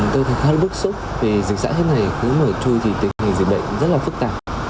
tôi thật hát bức xúc vì dịch xã thế này cứ mở chui thì tình hình dịch bệnh rất là phức tạp